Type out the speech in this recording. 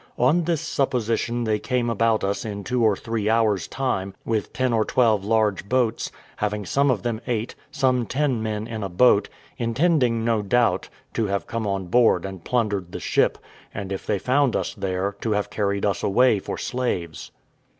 On this supposition they came about us in two or three hours' time with ten or twelve large boats, having some of them eight, some ten men in a boat, intending, no doubt, to have come on board and plundered the ship, and if they found us there, to have carried us away for slaves.